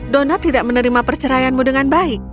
donat tidak menerima perceraianmu dengan baik